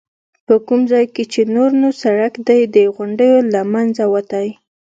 په کوم ځای کې چې نور نو سړک د غونډیو له منځه وتی.